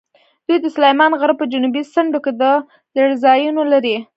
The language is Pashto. دوی د سلیمان غره په جنوبي څنډو کې څړځایونه لري.